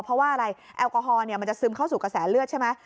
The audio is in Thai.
เพราะว่าอะไรแอลกอฮอลมันจะซึมเข้าสู่กระแสเลือดใช่ไหม